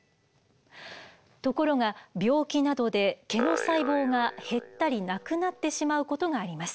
ところが病気などで毛の細胞が減ったりなくなってしまうことがあります。